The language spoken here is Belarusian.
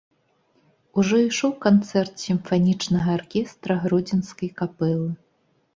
Ужо ішоў канцэрт сімфанічнага аркестра гродзенскай капэлы.